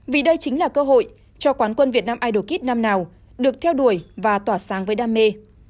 vì đây chính là cơ hội cho quán quân việt nam idoq năm nào được theo đuổi và tỏa sáng với đam mê